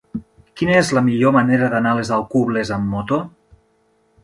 Quina és la millor manera d'anar a les Alcubles amb moto?